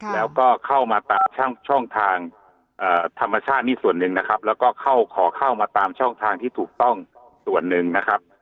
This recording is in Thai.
แล้วก็เข้ามาช่องทางธรรมชาตินี่ส่วนหนึ่งนะครับแล้วก็เข้าขอเข้ามาตามช่องทางที่ถูกต้องส่วนหนึ่งนะครับ